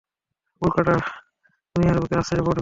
উল্কাটা দুনিয়ার বুকে আছড়ে পড়বেই!